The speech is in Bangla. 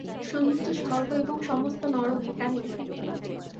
সমস্ত স্বর্গ এবং সমস্ত নরক এখানেই।